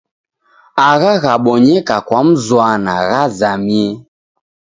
Agha ghabonyeka kwa mzwana ghuzamie.